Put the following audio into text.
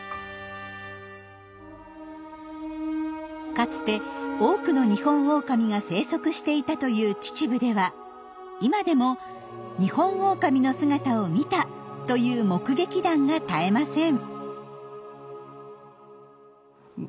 かつて多くのニホンオオカミが生息していたという秩父では今でも「ニホンオオカミの姿を見た！」という目撃談が絶えません。